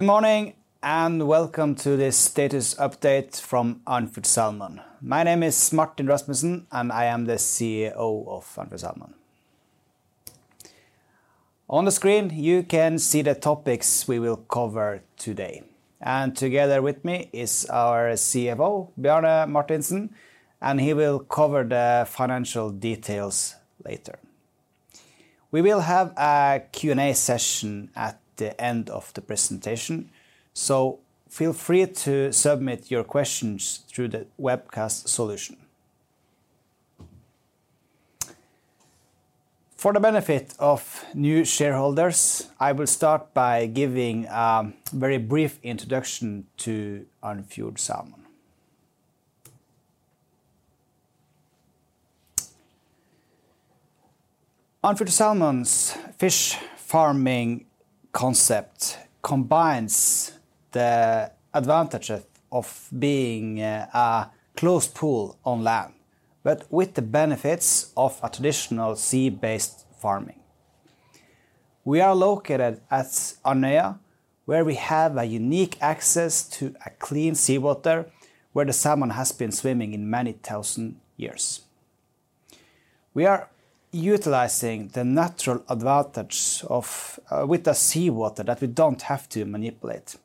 Good morning, and welcome to this status update from Andfjord Salmon. My name is Martin Rasmussen, and I am the CEO of Andfjord Salmon. On the screen, you can see the topics we will cover today, and together with me is our CFO, Bjarne Martinsen, and he will cover the financial details later. We will have a Q&A session at the end of the presentation, so feel free to submit your questions through the webcast solution. For the benefit of new shareholders, I will start by giving a very brief introduction to Andfjord Salmon. Andfjord Salmon's fish farming concept combines the advantages of being a closed pool on land, but with the benefits of a traditional sea-based farming. We are located at Andøya, where we have a unique access to a clean seawater, where the salmon has been swimming in many thousand years. We are utilizing the natural advantage of, with the seawater that we don't have to manipulate,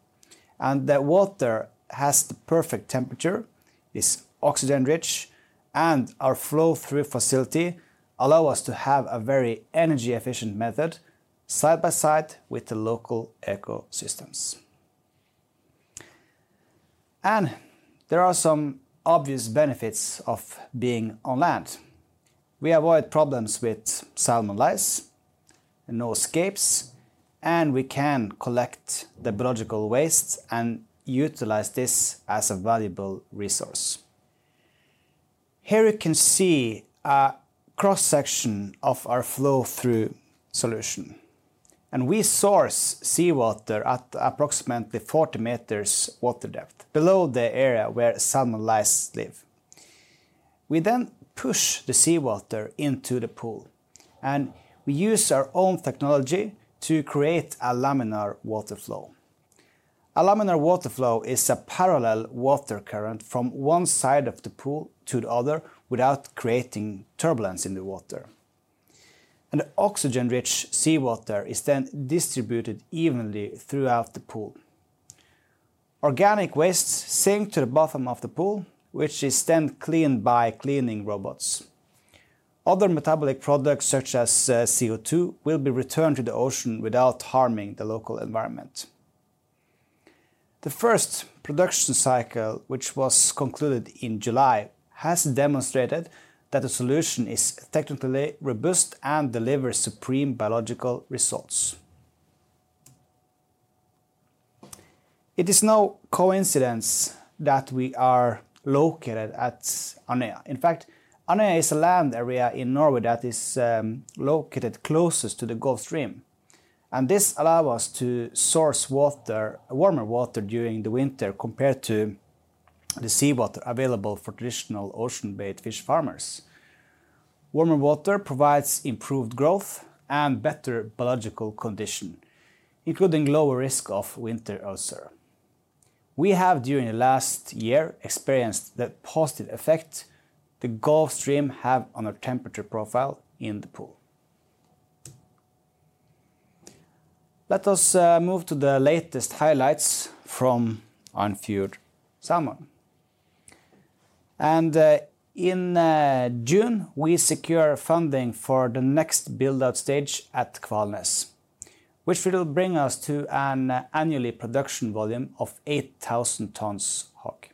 and the water has the perfect temperature, is oxygen-rich, and our flow-through facility allow us to have a very energy-efficient method, side by side with the local ecosystems. There are some obvious benefits of being on land. We avoid problems with salmon lice, and no escapes, and we can collect the biological waste and utilize this as a valuable resource. Here you can see a cross-section of our flow-through solution, and we source seawater at approximately 40 meters water depth, below the area where salmon lice live. We then push the seawater into the pool, and we use our own technology to create a laminar water flow. A laminar water flow is a parallel water current from one side of the pool to the other without creating turbulence in the water. The oxygen-rich seawater is then distributed evenly throughout the pool. Organic waste sinks to the bottom of the pool, which is then cleaned by cleaning robots. Other metabolic products, such as CO2, will be returned to the ocean without harming the local environment. The first production cycle, which was concluded in July, has demonstrated that the solution is technically robust and delivers supreme biological results. It is no coincidence that we are located at Andøya. In fact, Andøya is a land area in Norway that is located closest to the Gulf Stream, and this allows us to source water, warmer water during the winter, compared to the seawater available for traditional ocean-based fish farmers. Warmer water provides improved growth and better biological condition, including lower risk of winter ulcer. We have, during the last year, experienced the positive effect the Gulf Stream have on our temperature profile in the pool. Let us move to the latest highlights from Andfjord Salmon. In June, we secure funding for the next build-out stage at Kvalnes, which will bring us to an annually production volume of 8,000 tons HOG.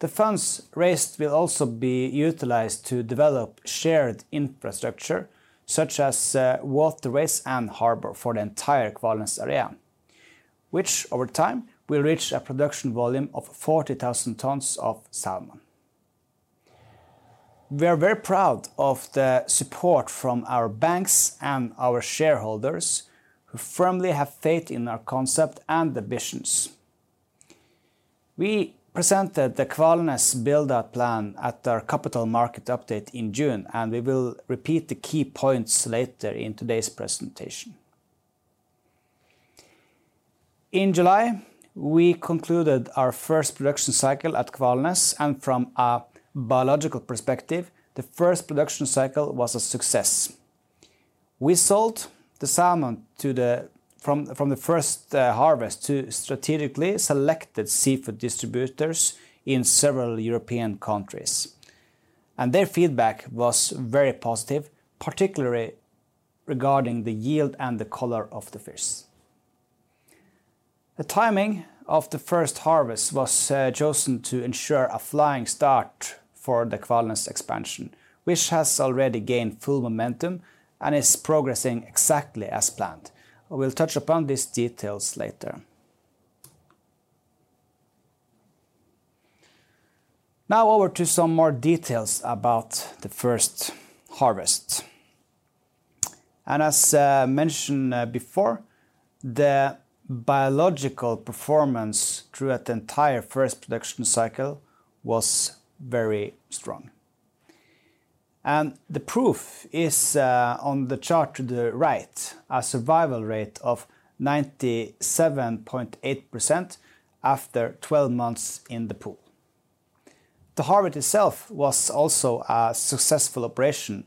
The funds raised will also be utilized to develop shared infrastructure, such as waterways and harbor for the entire Kvalnes area, which over time will reach a production volume of 40,000 tons of salmon. We are very proud of the support from our banks and our shareholders, who firmly have faith in our concept and the visions. We presented the Kvalnes build-out plan at our capital market update in June, and we will repeat the key points later in today's presentation. In July, we concluded our first production cycle at Kvalnes, and from a biological perspective, the first production cycle was a success. We sold the salmon from the first harvest to strategically selected seafood distributors in several European countries, and their feedback was very positive, particularly regarding the yield and the color of the fish. The timing of the first harvest was chosen to ensure a flying start for the Kvalnes expansion, which has already gained full momentum and is progressing exactly as planned. We'll touch upon these details later. Now over to some more details about the first harvest. As mentioned before, the biological performance throughout the entire first production cycle was very strong. The proof is on the chart to the right, a survival rate of 97.8% after 12 months in the pool. The harvest itself was also a successful operation,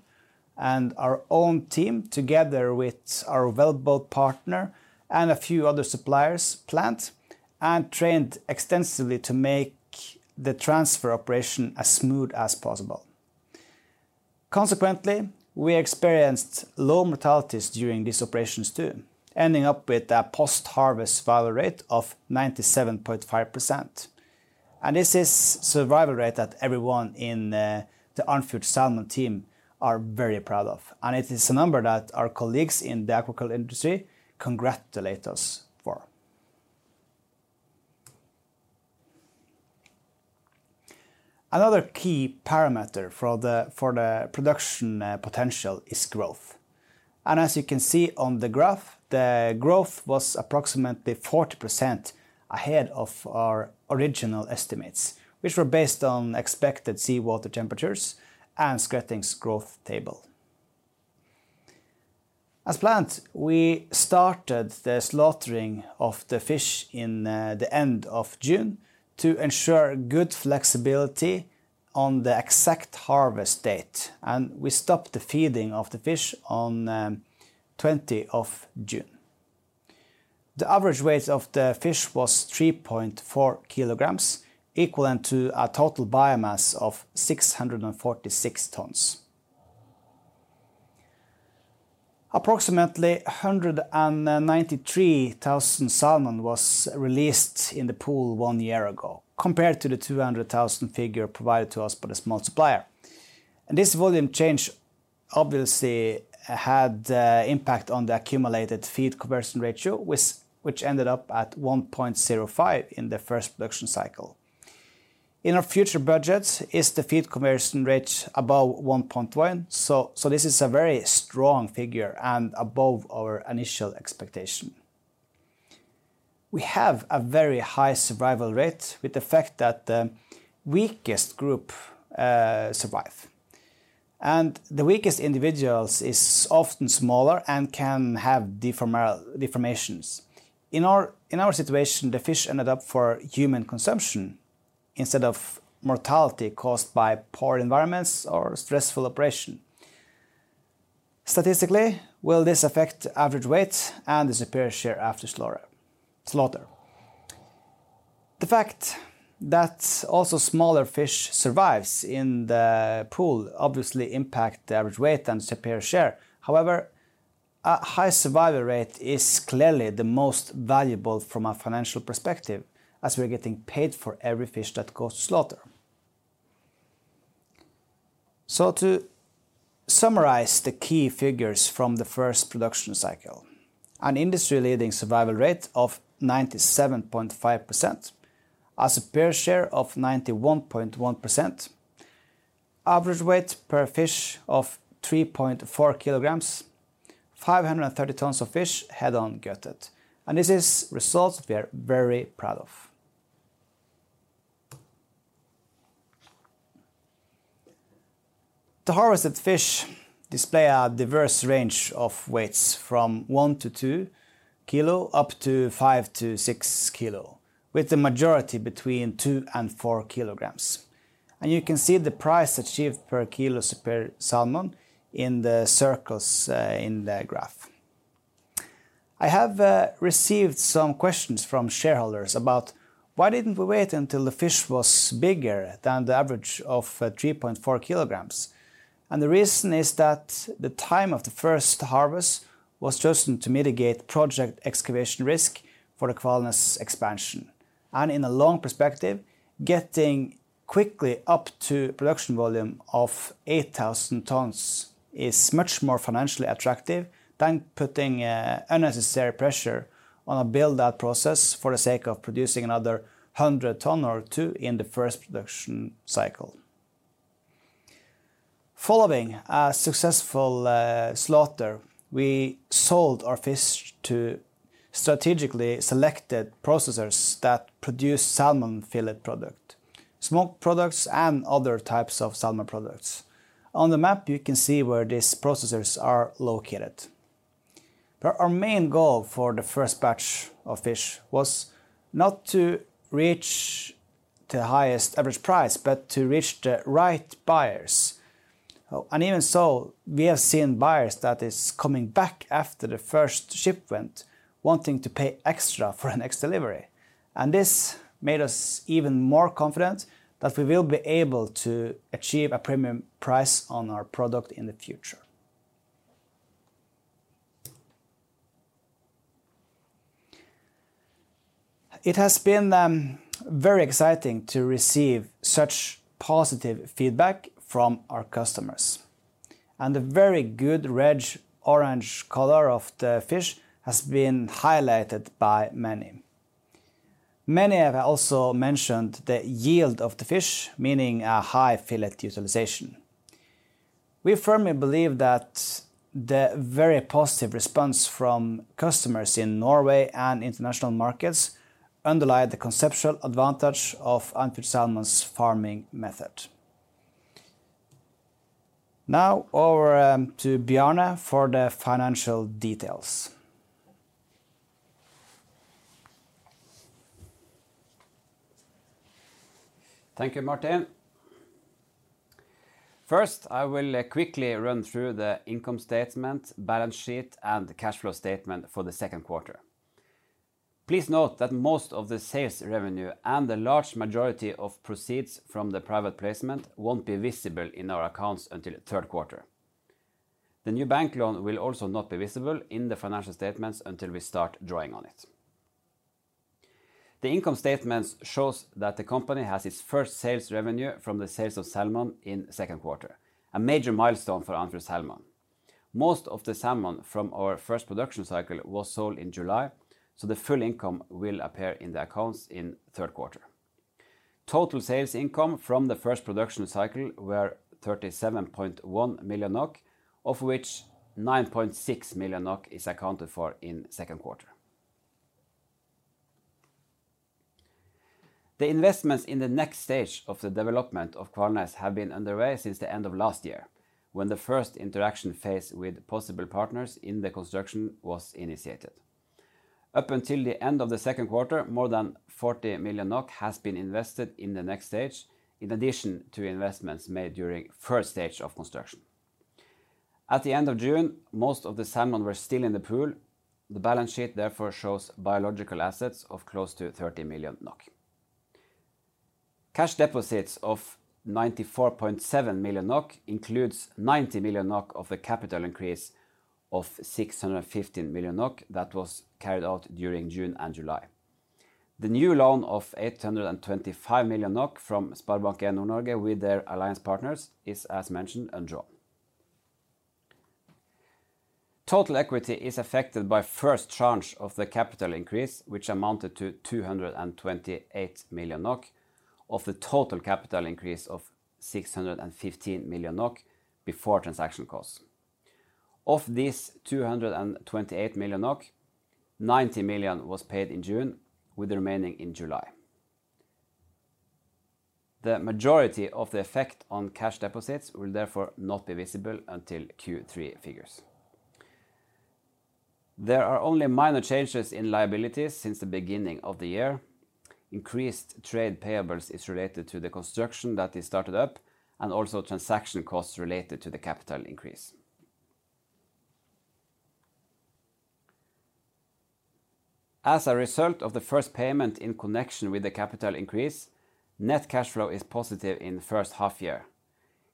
and our own team, together with our available partner and a few other suppliers, planned and trained extensively to make the transfer operation as smooth as possible. Consequently, we experienced low mortalities during these operations, too, ending up with a post-harvest survival rate of 97.5%. This is survival rate that everyone in the Andfjord Salmon team are very proud of, and it is a number that our colleagues in the aquaculture industry congratulate us for. Another key parameter for the, for the production, potential is growth. As you can see on the graph, the growth was approximately 40% ahead of our original estimates, which were based on expected seawater temperatures and Skretting's growth table. As planned, we started the slaughtering of the fish in the end of June to ensure good flexibility on the exact harvest date, and we stopped the feeding of the fish on 20 of June. The average weight of the fish was 3.4 kilograms, equivalent to a total biomass of 646 tons. Approximately 193,000 salmon was released in the pool one year ago, compared to the 200,000 figure provided to us by the smolt supplier. This volume change obviously had impact on the accumulated feed conversion ratio, which ended up at 1.05 in the first production cycle. In our future budgets is the feed conversion rate above 1.1, so this is a very strong figure and above our initial expectation. We have a very high survival rate with the fact that the weakest group survive. The weakest individuals is often smaller and can have deformations. In our situation, the fish ended up for human consumption instead of mortality caused by poor environments or stressful operation. Statistically, will this affect average weight and the Superior share after slaughter? The fact that also smaller fish survives in the pool obviously impact the average weight and Superior share. However, a high survival rate is clearly the most valuable from a financial perspective, as we are getting paid for every fish that goes to slaughter. So to summarize the key figures from the first production cycle, an industry-leading survival rate of 97.5%, a superior share of 91.1%, average weight per fish of 3.4kg, 530 tons of fish head-on gutted, and this is results we are very proud of. The harvested fish display a diverse range of weights from 1kg-2kg, up to 5kg-6kg, with the majority between 2kg-4kg. You can see the price achieved per kilo superior salmon in the circles, in the graph. I have received some questions from shareholders about: Why didn't we wait until the fish was bigger than the average of 3.4kg? The reason is that the time of the first harvest was chosen to mitigate project excavation risk for the Kvalnes expansion. In a long perspective, getting quickly up to production volume of 8,000 tons is much more financially attractive than putting unnecessary pressure on a build-out process for the sake of producing another 100 tons or two in the first production cycle. Following a successful slaughter, we sold our fish to strategically selected processors that produce salmon fillet product, smoked products, and other types of salmon products. On the map, you can see where these processors are located. Our main goal for the first batch of fish was not to reach the highest average price, but to reach the right buyers. Even so, we have seen buyers that is coming back after the first shipment, wanting to pay extra for the next delivery, and this made us even more confident that we will be able to achieve a premium price on our product in the future. It has been very exciting to receive such positive feedback from our customers, and the very good red, orange color of the fish has been highlighted by many. Many have also mentioned the yield of the fish, meaning a high fillet utilization. We firmly believe that the very positive response from customers in Norway and international markets underlie the conceptual advantage of Andfjord Salmon's farming method. Now over to Bjarne for the financial details. Thank you, Martin. First, I will quickly run through the income statement, balance sheet, and the cash flow statement for the second quarter. Please note that most of the sales revenue and the large majority of proceeds from the private placement won't be visible in our accounts until the third quarter. The new bank loan will also not be visible in the financial statements until we start drawing on it. The income statement shows that the company has its first sales revenue from the sales of salmon in second quarter, a major milestone for Andfjord Salmon. Most of the salmon from our first production cycle was sold in July, so the full income will appear in the accounts in third quarter. Total sales income from the first production cycle were 37.1 million NOK, of which 9.6 million NOK is accounted for in second quarter. The investments in the next stage of the development of Kvalnes have been underway since the end of last year, when the first interaction phase with possible partners in the construction was initiated. Up until the end of the second quarter, more than 40 million NOK has been invested in the next stage, in addition to investments made during first stage of construction. At the end of June, most of the salmon were still in the pool. The balance sheet therefore shows biological assets of close to 30 million NOK. Cash deposits of 94.7 million NOK includes 90 million NOK of the capital increase of 615 million NOK that was carried out during June and July. The new loan of 825 million NOK from SpareBank 1 Nord-Norge with their alliance partners is, as mentioned, undrawn. Total equity is affected by first tranche of the capital increase, which amounted to 228 million NOK, of the total capital increase of 615 million NOK before transaction costs. Of these, 228 million NOK, 90 million was paid in June, with the remaining in July. The majority of the effect on cash deposits will therefore not be visible until Q3 figures. There are only minor changes in liabilities since the beginning of the year. Increased trade payables is related to the construction that is started up and also transaction costs related to the capital increase. As a result of the first payment in connection with the capital increase, net cash flow is positive in the first half year.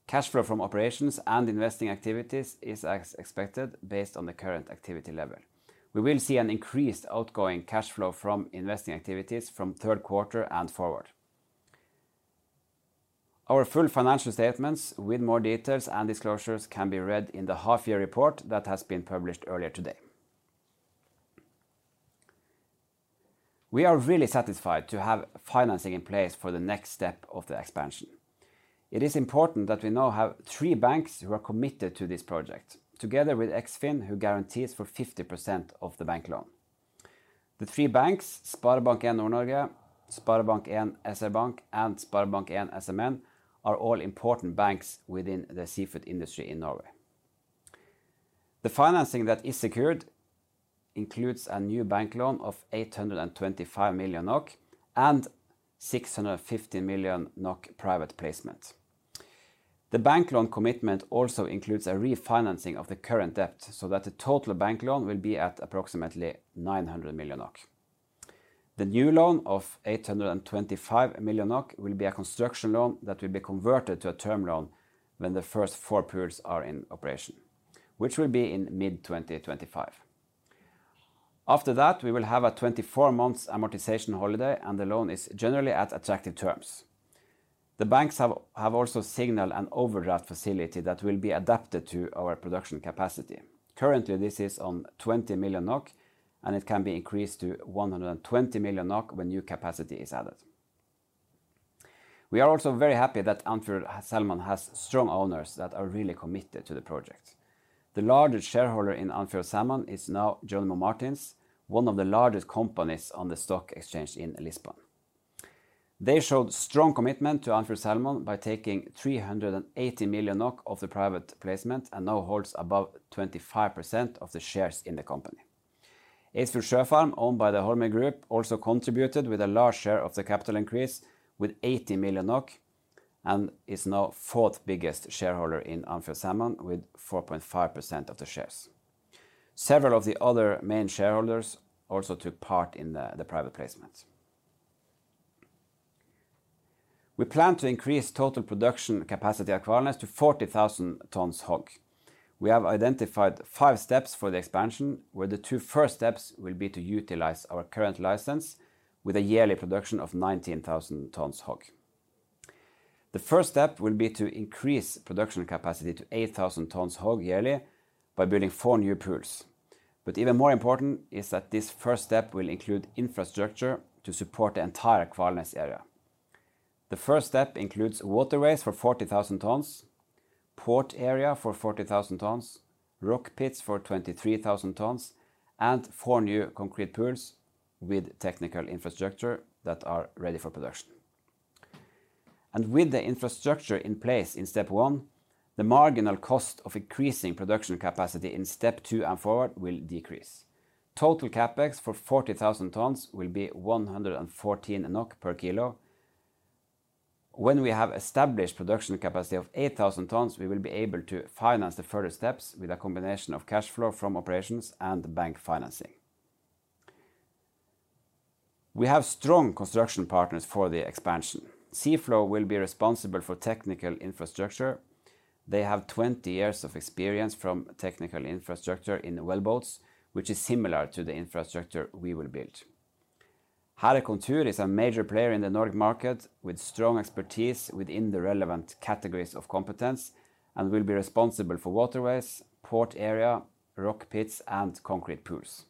Cash flow from operations and investing activities is as expected, based on the current activity level. We will see an increased outgoing cash flow from investing activities from third quarter and forward. Our full financial statements with more details and disclosures can be read in the half year report that has been published earlier today. We are really satisfied to have financing in place for the next step of the expansion. It is important that we now have three banks who are committed to this project, together with Eksfin, who guarantees for 50% of the bank loan. The three banks, SpareBank 1 Nord-Norge, SpareBank 1 SR-Bank, and SpareBank 1 SMN, are all important banks within the seafood industry in Norway. The financing that is secured includes a new bank loan of 825 million NOK and 650 million NOK private placement. The bank loan commitment also includes a refinancing of the current debt, so that the total bank loan will be at approximately 900 million NOK. The new loan of 825 million NOK will be a construction loan that will be converted to a term loan when the first four pools are in operation, which will be in mid-2025. After that, we will have a 24 months amortization holiday, and the loan is generally at attractive terms. The banks have also signaled an overdraft facility that will be adapted to our production capacity. Currently, this is on 20 million NOK, and it can be increased to 120 million NOK when new capacity is added. We are also very happy that Andfjord Salmon has strong owners that are really committed to the project. The largest shareholder in Andfjord Salmon is now Jerónimo Martins, one of the largest companies on the stock exchange in Lisbon. They showed strong commitment to Andfjord Salmon by taking 380 million NOK of the private placement and now holds above 25% of the shares in the company. Eidsfjord Sjøfarm, owned by the Holmøy Group, also contributed with a large share of the capital increase, with 80 million NOK, and is now fourth biggest shareholder in Andfjord Salmon, with 4.5% of the shares. Several of the other main shareholders also took part in the private placement. We plan to increase total production capacity at Kvalnes to 40,000 tons HOG. We have identified 5 steps for the expansion, where the two first steps will be to utilize our current license with a yearly production of 19,000 tons HOG. The first step will be to increase production capacity to 8,000 tons HOG yearly by building four new pools. But even more important is that this first step will include infrastructure to support the entire Kvalnes area. The first step includes waterways for 40,000 tons, port area for 40,000 tons, rock pits for 23,000 tons, and four new concrete pools with technical infrastructure that are ready for production. With the infrastructure in place in step one, the marginal cost of increasing production capacity in step two and forward will decrease. Total CapEx for 40,000 tons will be 114 NOK per kilo. When we have established production capacity of 8,000 tons, we will be able to finance the further steps with a combination of cash flow from operations and bank financing. We have strong construction partners for the expansion. Seaflo will be responsible for technical infrastructure. They have 20 years of experience from technical infrastructure in wellboats, which is similar to the infrastructure we will build. Hæhre Kontur is a major player in the Nordic market, with strong expertise within the relevant categories of competence, and will be responsible for waterways, port area, rock pits, and concrete pools.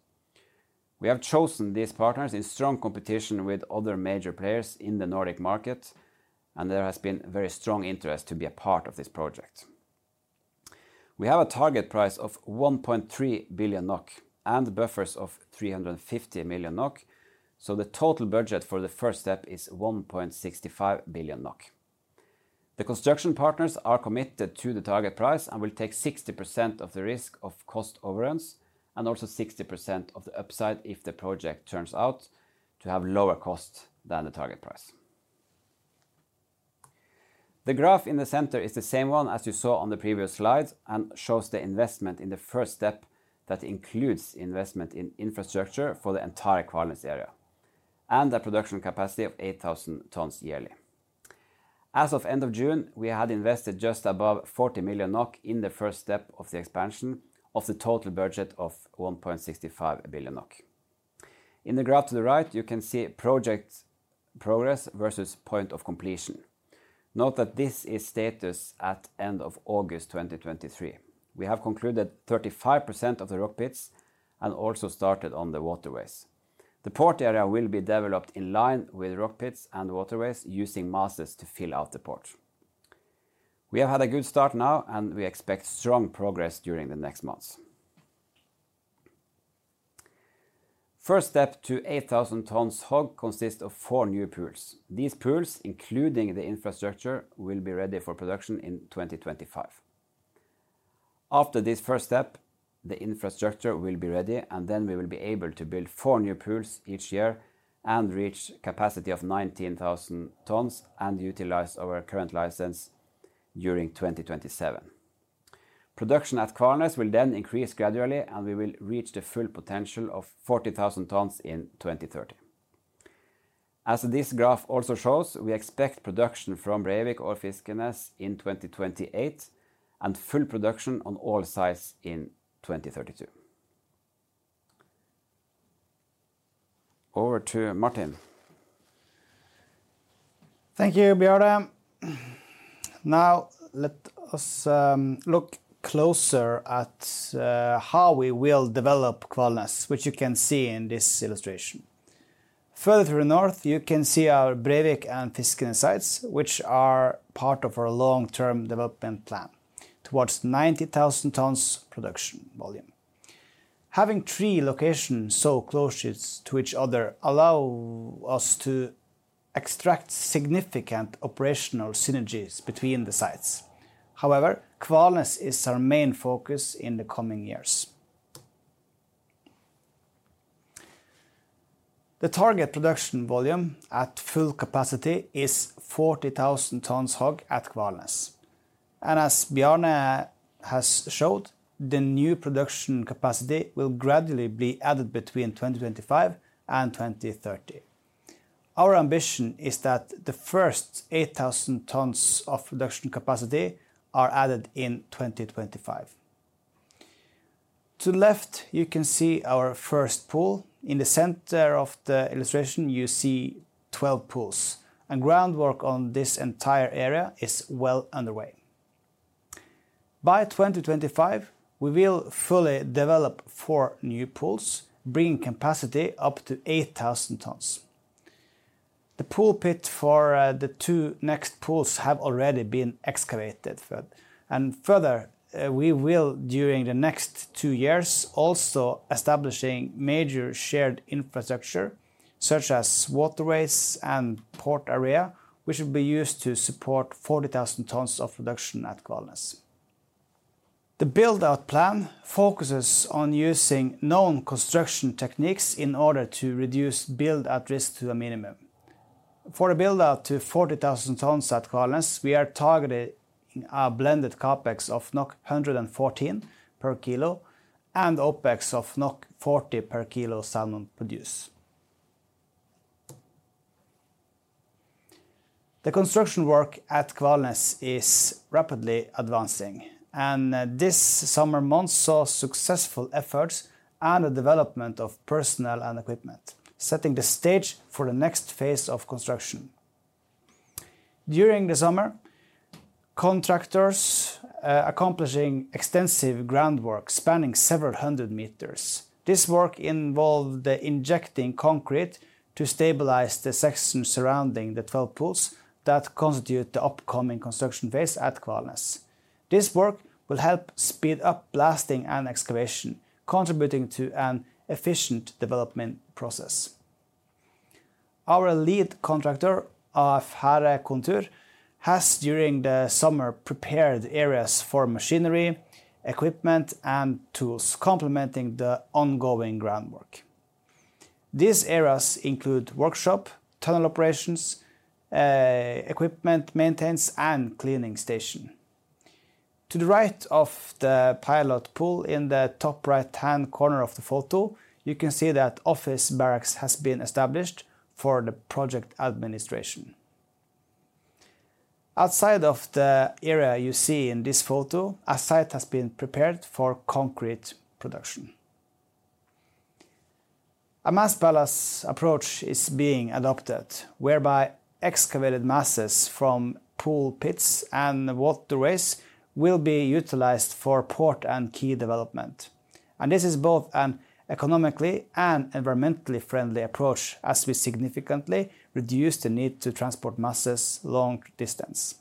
We have chosen these partners in strong competition with other major players in the Nordic market, and there has been very strong interest to be a part of this project. We have a target price of 1.3 billion NOK and buffers of 350 million NOK, so the total budget for the first step is 1.65 billion NOK. The construction partners are committed to the target price and will take 60% of the risk of cost overruns, and also 60% of the upside if the project turns out to have lower cost than the target price. The graph in the center is the same one as you saw on the previous slide, and shows the investment in the first step that includes investment in infrastructure for the entire Kvalnes area, and a production capacity of 8,000 tons yearly. As of end of June, we had invested just above 40 million NOK in the first step of the expansion, of the total budget of 1.65 billion NOK. In the graph to the right, you can see project progress versus point of completion. Note that this is status at end of August 2023. We have concluded 35% of the rock pits and also started on the waterways. The port area will be developed in line with rock pits and waterways, using masses to fill out the port. We have had a good start now, and we expect strong progress during the next months. First step to 8,000 tons HOG consists of four new pools. These pools, including the infrastructure, will be ready for production in 2025. After this first step, the infrastructure will be ready, and then we will be able to build four new pools each year and reach capacity of 19,000 tons and utilize our current license during 2027. Production at Kvalnes will then increase gradually, and we will reach the full potential of 40,000 tons in 2030. As this graph also shows, we expect production from Breivik or Fiskenes in 2028, and full production on all sites in 2032. Over to Martin. Thank you, Bjarne. Now, let us look closer at how we will develop Kvalnes, which you can see in this illustration. Further to the north, you can see our Breivik and Fiskenes sites, which are part of our long-term development plan towards 90,000 tons production volume. Having three locations so close to each other allow us to extract significant operational synergies between the sites. However, Kvalnes is our main focus in the coming years. The target production volume at full capacity is 40,000 tons HOG at Kvalnes, and as Bjarne has showed, the new production capacity will gradually be added between 2025 and 2030. Our ambition is that the first 8,000 tons of production capacity are added in 2025. To the left, you can see our first pool. In the center of the illustration, you see 12 pools, and groundwork on this entire area is well underway. By 2025, we will fully develop four new pools, bringing capacity up to 8,000 tons. The pool pit for the two next pools have already been excavated for. And further, we will during the next two years, also establishing major shared infrastructure, such as waterways and port area, which will be used to support 40,000 tons of production at Kvalnes. The build-out plan focuses on using known construction techniques in order to reduce build-out risk to a minimum. For the build-out to 40,000 tons at Kvalnes, we are targeting a blended CapEx of 114 per kilo and OpEx of 40 per kilo salmon produced. The construction work at Kvalnes is rapidly advancing, and this summer months saw successful efforts and the development of personnel and equipment, setting the stage for the next phase of construction. During the summer, contractors accomplishing extensive groundwork spanning several hundred meters. This work involved injecting concrete to stabilize the sections surrounding the 12 pools that constitute the upcoming construction phase at Kvalnes. This work will help speed up blasting and excavation, contributing to an efficient development process. Our lead contractor, AF Hæhre Entreprenør, has, during the summer, prepared areas for machinery, equipment, and tools, complementing the ongoing groundwork. These areas include workshop, tunnel operations, equipment maintenance, and cleaning station. To the right of the pilot pool, in the top right-hand corner of the photo, you can see that office barracks has been established for the project administration. Outside of the area you see in this photo, a site has been prepared for concrete production. A mass balance approach is being adopted, whereby excavated masses from pool pits and waterways will be utilized for port and key development. This is both an economically and environmentally friendly approach, as we significantly reduce the need to transport masses long distance.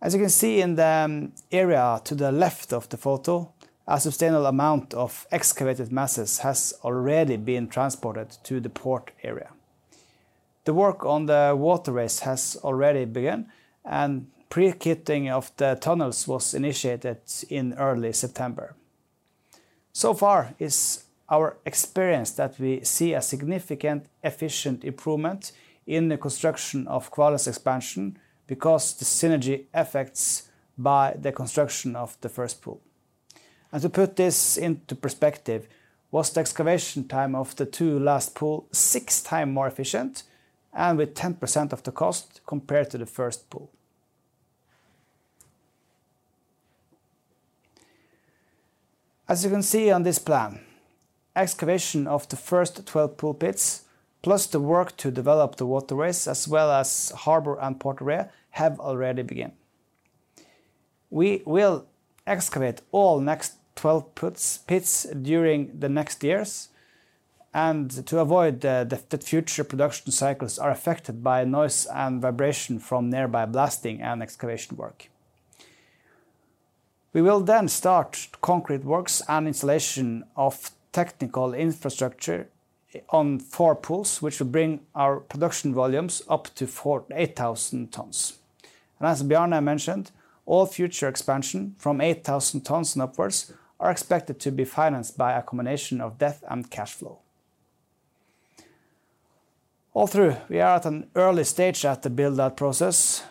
As you can see in the area to the left of the photo, a sustainable amount of excavated masses has already been transported to the port area. The work on the waterways has already begun, and pre-kitting of the tunnels was initiated in early September. So far, it's our experience that we see a significant efficient improvement in the construction of Kvalnes expansion, because the synergy effects by the construction of the first pool. To put this into perspective, the excavation time of the two last pool was six times more efficient, and with 10% of the cost compared to the first pool. As you can see on this plan, excavation of the first 12 pool pits, plus the work to develop the waterways, as well as harbor and port area, have already begun. We will excavate all next 12 pits during the next years, and to avoid the future production cycles are affected by noise and vibration from nearby blasting and excavation work. We will then start concrete works and installation of technical infrastructure on four pools, which will bring our production volumes up to 8,000 tons. As Bjarne mentioned, all future expansion from 8,000 tons and upwards are expected to be financed by a combination of debt and cash flow. Although we are at an early stage in the build-out process,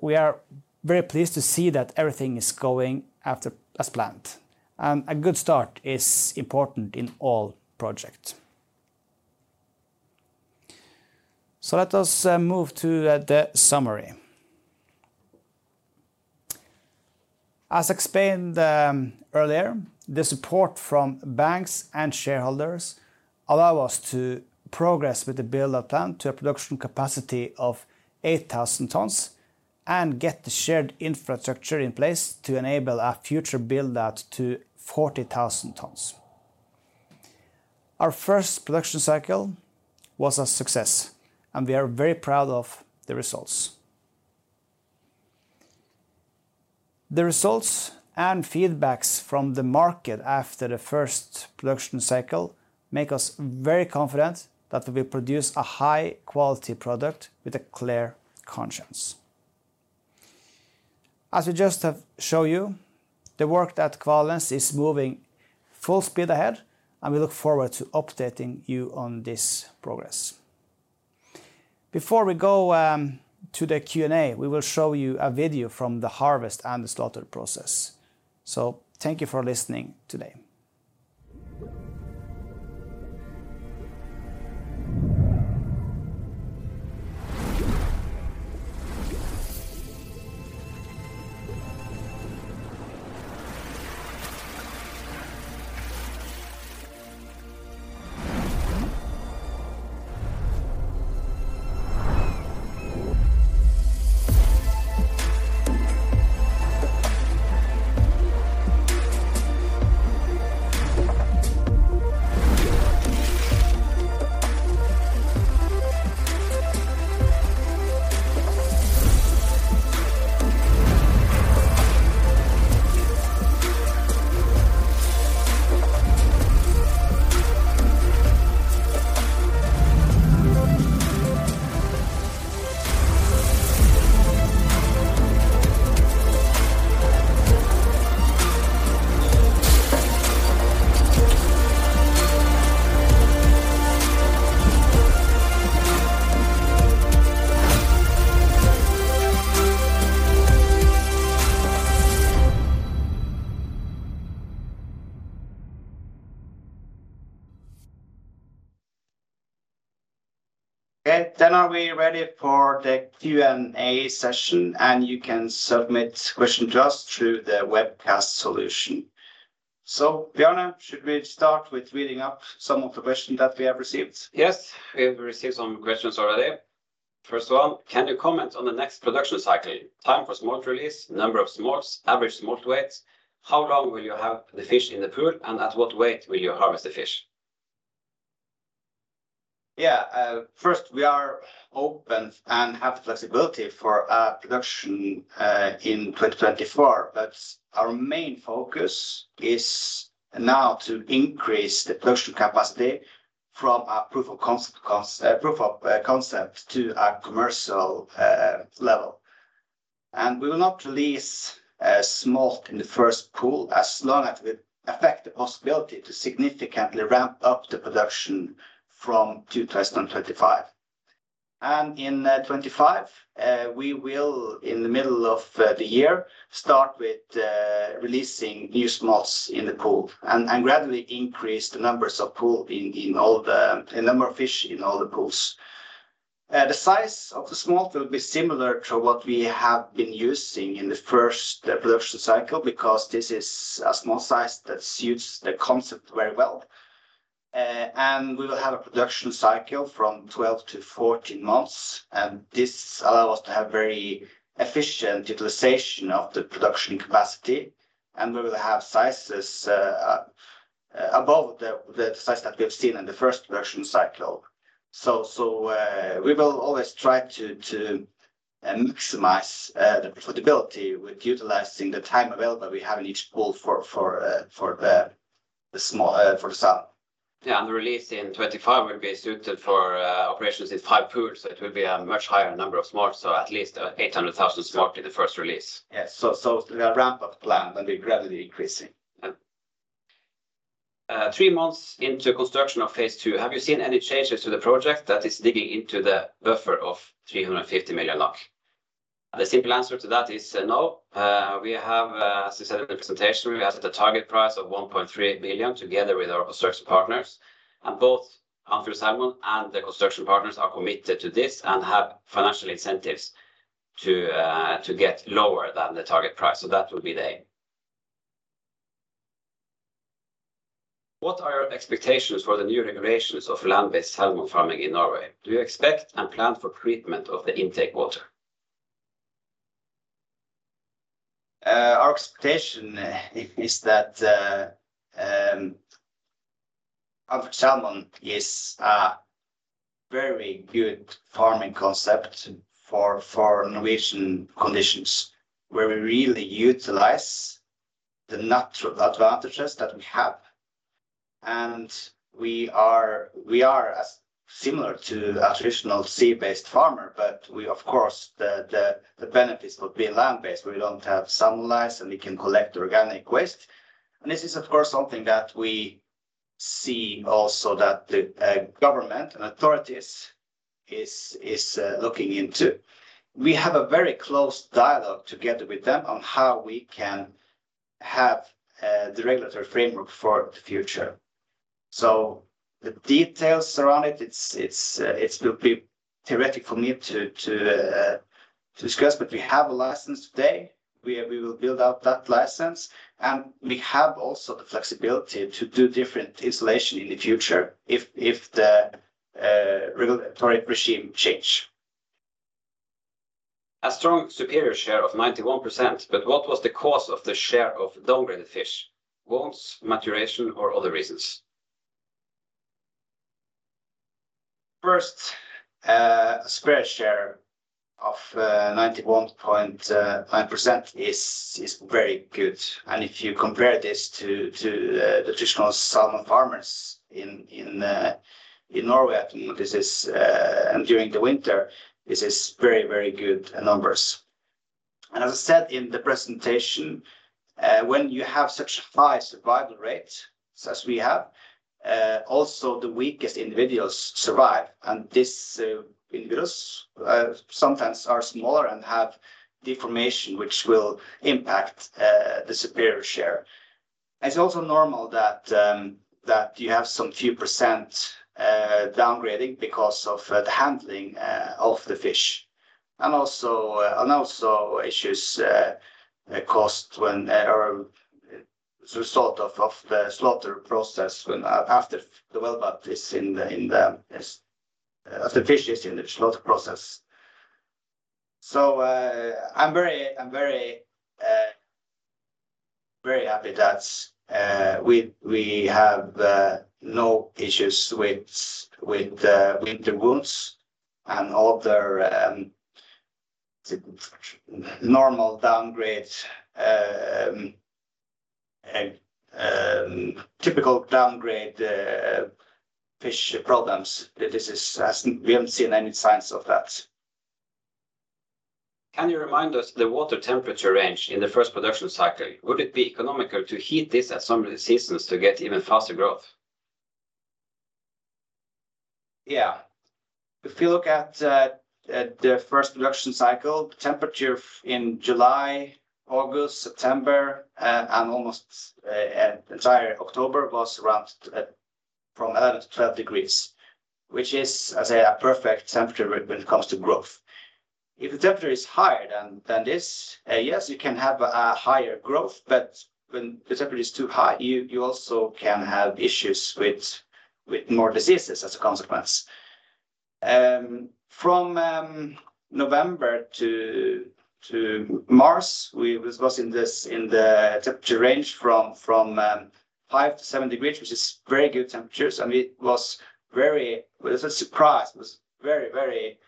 we are very pleased to see that everything is going as planned, and a good start is important in all projects. Let us move to the summary. As explained earlier, the support from banks and shareholders allow us to progress with the build-out plan to a production capacity of 8,000 tons and get the shared infrastructure in place to enable a future build-out to 40,000 tons. Our first production cycle was a success, and we are very proud of the results. The results and feedbacks from the market after the first production cycle make us very confident that we produce a high-quality product with a clear conscience. As we just have shown you, the work at Kvalnes is moving full speed ahead, and we look forward to updating you on this progress. Before we go to the Q&A, we will show you a video from the harvest and the slaughter process. So thank you for listening today. And then, are we ready for the Q&A session, and you can submit questions to us through the webcast solution. So, Bjarne, should we start with reading up some of the questions that we have received? Yes, we have received some questions already. First one: "Can you comment on the next production cycle, time for smolt release, number of smolts, average smolt weights? How long will you have the fish in the pool, and at what weight will you harvest the fish? Yeah, first, we are open and have flexibility for production in 2024. But our main focus is now to increase the production capacity from a proof of concept to a commercial level. We will not release smolt in the first pool, as long as it will affect the possibility to significantly ramp up the production from 2025. In 2025, we will, in the middle of the year, start with releasing new smolts in the pool and gradually increase the number of fish in all the pools. The size of the smolt will be similar to what we have been using in the first production cycle because this is a small size that suits the concept very well. We will have a production cycle from 12 to 14 months, and this allow us to have very efficient utilization of the production capacity, and we will have sizes above the size that we have seen in the first production cycle. So, we will always try to maximize the profitability with utilizing the time available we have in each pool for the smolt for the salmon. Yeah, and the release in 2025 will be suited for operations in 5 pools, so it will be a much higher number of smolt, so at least 800,000 smolt in the first release. Yes. So, there are ramp-up plan, and we gradually increasing. Three months into construction of phase two, have you seen any changes to the project that is digging into the buffer of 350 million?" The simple answer to that is no. We have, as I said in the presentation, we have set a target price of 1.3 billion, together with our construction partners, and both Andfjord Salmon and the construction partners are committed to this and have financial incentives to get lower than the target price. So that would be the aim. "What are your expectations for the new regulations of land-based salmon farming in Norway? Do you expect and plan for treatment of the intake water? Our expectation is that Andfjord Salmon is a very good farming concept for innovative conditions, where we really utilize the natural advantages that we have. We are as similar to a traditional sea-based farmer, but of course the benefits of being land-based, we don't have salmon lice, and we can collect organic waste. This is, of course, something that we see also that the government and authorities is looking into. We have a very close dialogue together with them on how we can have the regulatory framework for the future. So the details around it, it will be theoretical for me to discuss, but we have a license today. We will build out that license, and we have also the flexibility to do different installation in the future if the regulatory regime change. A strong, superior share of 91%, but what was the cause of the share of downgraded fish? Wounds, maturation, or other reasons? First, survival share of 91.9% is very good. If you compare this to the traditional salmon farmers in Norway and during the winter, this is very, very good numbers. As I said in the presentation, when you have such high survival rates as we have, also the weakest individuals survive, and these individuals sometimes are smaller and have deformation which will impact the Superior share. It's also normal that you have some few percent downgrading because of the handling of the fish, and also issues caused as a result of the slaughter process as the fish is in the slaughter process. So, I'm very happy that we have no issues with winter ulcer and other normal downgrade, typical downgrade, fish problems. This is as... We haven't seen any signs of that. Can you remind us the water temperature range in the first production cycle? Would it be economical to heat this at some seasons to get even faster growth? Yeah. If you look at the first production cycle, temperature in July, August, September, and almost entire October was around from 11-12 degrees, which is, I say, a perfect temperature when it comes to growth. If the temperature is higher than this, yes, you can have a higher growth, but when the temperature is too high, you also can have issues with more diseases as a consequence. From November to March, we was in this in the temperature range from 5-7 degrees, which is very good temperatures, and it was very. It was a surprise. It was very, very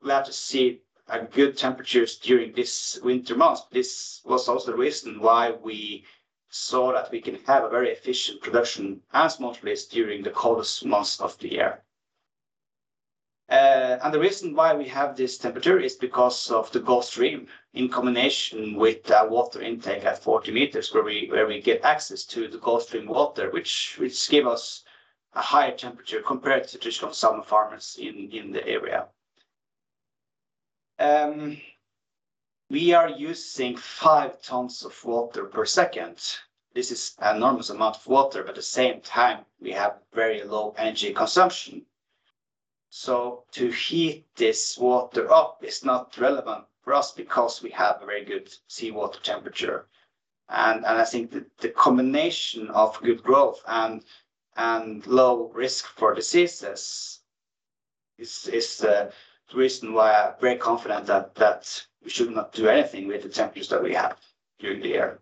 glad to see a good temperatures during this winter months. This was also the reason why we saw that we can have a very efficient production as much as during the coldest months of the year. The reason why we have this temperature is because of the Gulf Stream, in combination with water intake at 40 meters, where we get access to the Gulf Stream water, which give us a higher temperature compared to traditional salmon farmers in the area. We are using five tons of water per second. This is an enormous amount of water, but at the same time, we have very low energy consumption. So to heat this water up is not relevant for us because we have a very good seawater temperature. I think the combination of good growth and low risk for diseases is the reason why I'm very confident that we should not do anything with the temperatures that we have during the year.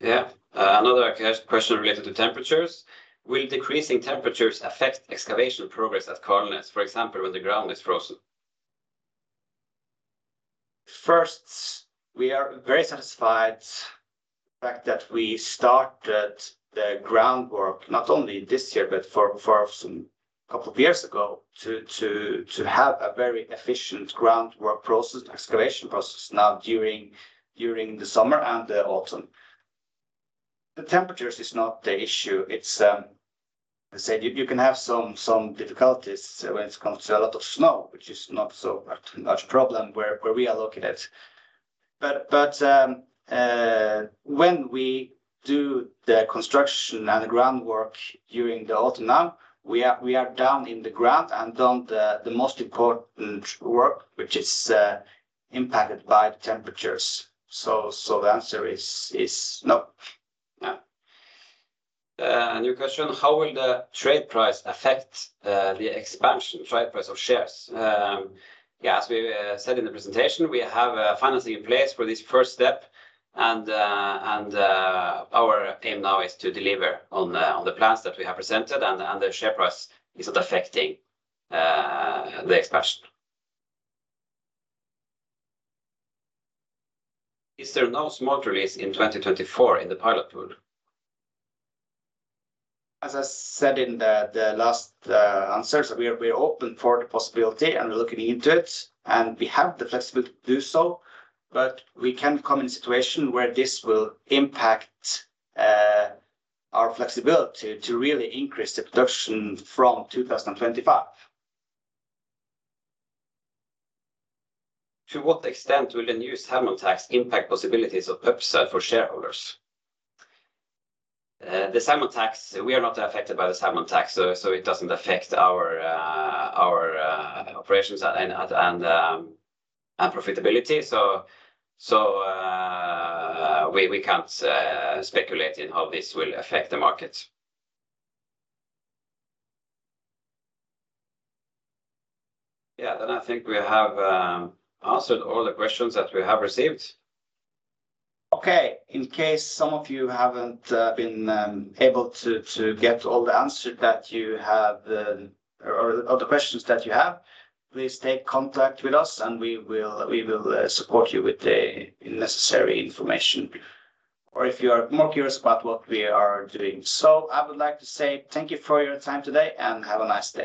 Yeah. Another question related to temperatures: Will decreasing temperatures affect excavation progress at Kvalnes, for example, when the ground is frozen? First, we are very satisfied the fact that we started the groundwork, not only this year, but for some couple of years ago, to have a very efficient groundwork process, excavation process now during the summer and the autumn. The temperatures is not the issue, it's, I said you can have some difficulties when it comes to a lot of snow, which is not so much a problem where we are located. But when we do the construction and the groundwork during the autumn now, we are down in the ground and done the most important work, which is impacted by the temperatures. So the answer is no. Yeah. A new question: How will the trade price affect the expansion trade price of shares? Yeah, as we said in the presentation, we have financing in place for this first step, and, and our aim now is to deliver on the, on the plans that we have presented, and, and the share price is affecting the expansion. Is there no smolt release in 2024 in the pilot pool? As I said in the last answers, we are open for the possibility, and we're looking into it, and we have the flexibility to do so, but we can come in a situation where this will impact our flexibility to really increase the production from 2025. To what extent will the new salmon tax impact possibilities of upside for shareholders? The salmon tax, we are not affected by the salmon tax, so it doesn't affect our operations and profitability. We can't speculate in how this will affect the market. Yeah, then I think we have answered all the questions that we have received. Okay. In case some of you haven't been able to get all the answers that you have, or the questions that you have, please take contact with us, and we will support you with the necessary information, or if you are more curious about what we are doing. So I would like to say thank you for your time today, and have a nice day.